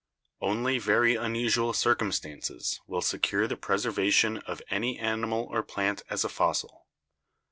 Only very unusual circumstances will secure the preservation of any animal or plant as a fossil.